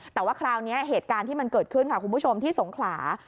แต่ว่าคราวนี้เหตุการณ์ที่มันเกิดขึ้นค่ะคุณผู้ชมที่สงขลา